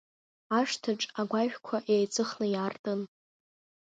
Ашҭаҿ агәашәқа еиҵыхны иаартын.